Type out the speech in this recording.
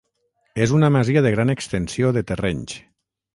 És una masia de gran extensió de terrenys.